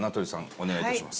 お願いいたします。